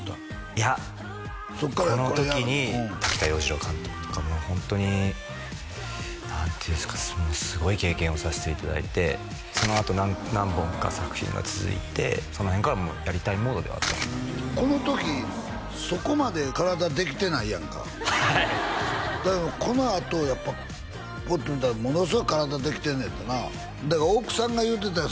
いやこの時に滝田洋二郎監督とかもホントに何ていうんすかすごい経験をさせていただいてそのあと何本か作品が続いてその辺からもうやりたいモードではあったこの時そこまで体できてないやんかはいだけどこのあとやっぱポッと見たらものすごい体できてんねやってなだから大九さんが言うてたよ